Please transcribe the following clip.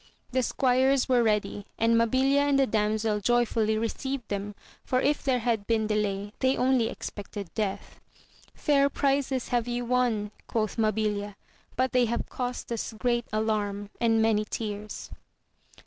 The squires were ready, and Mabilia and the damsel joyfully received them, for if there had been delay they only expected death. Fair prizes have you won, quoth Mabilia, but they have cost us a great alarm and many tears.